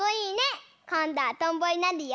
こんどはとんぼになるよ。